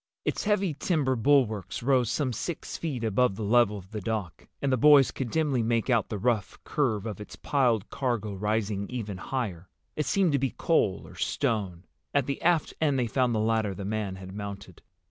Its heavy timber bulwarks rose some six feet above the level of the dock, and the boys could dimly make out the rough curve of its piled cargo rising even higher. It seemed to be coal or stone. At the aft end they found the ladder the man had mounted.